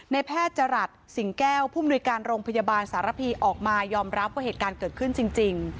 แพทย์จรัสสิงแก้วผู้มนุยการโรงพยาบาลสารพีออกมายอมรับว่าเหตุการณ์เกิดขึ้นจริง